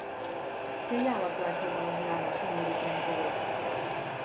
Què hi ha a la plaça de Las Navas número trenta-dos?